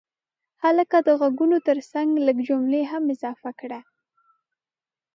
هلکه د غږونو ترڅنګ لږ جملې هم اضافه کړه.